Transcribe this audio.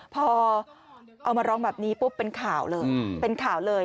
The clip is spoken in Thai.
พอเอามาร้องแบบนี้ปุ๊บเป็นข่าวเลยเป็นข่าวเลย